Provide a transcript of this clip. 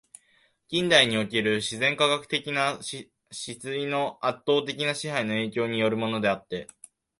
近代における自然科学的思惟の圧倒的な支配の影響に依るものであって、